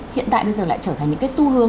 hiện tại bây giờ lại trở thành những cái xu hướng